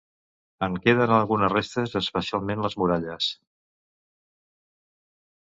En queden algunes restes especialment les muralles.